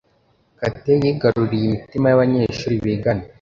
Kate yigaruriye imitima yabanyeshuri bigana.